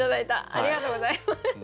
ありがとうございます。